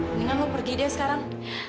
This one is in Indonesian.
mungkin lo pergi deh sekarang